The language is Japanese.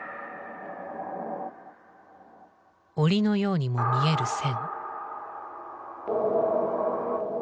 檻のようにも見える線。